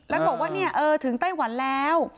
แล้วบอกว่าถึงไต้หวันแล้ว